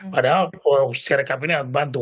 padahal si rekap ini alat bantu